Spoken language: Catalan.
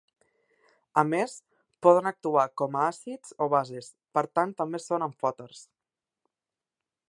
A més, poden actuar com a àcids o bases, per tant també són amfòters.